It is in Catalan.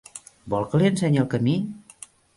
Vol que li ensenyi el camí?